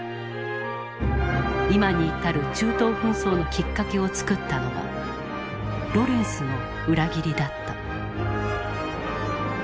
今に至る中東紛争のきっかけを作ったのはロレンスの裏切りだった。